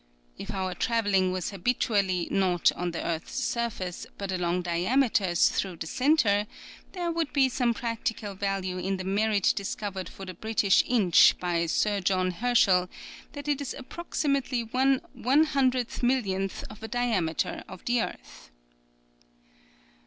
If our travel ling was habitually, not on the earth's sur face, but along diameters through the cen tre, there would be some practical value in the merit discovered for the British inch by Sir John Herschel that it is approximately one one hundred millionth of a diameter of the earth.